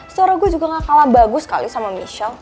secara gue juga gak kalah bagus kali sama michelle